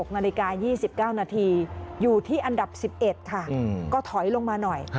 ๖นาฬิกา๒๙นาทีอยู่ที่อันดับ๑๑ค่ะก็ถอยลงมาหน่อย